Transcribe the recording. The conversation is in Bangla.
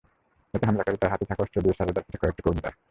এতে হামলাকারী তার হাতে থাকা অস্ত্র দিয়ে সাজেদার পিঠে কয়েকটি কোপ দেয়।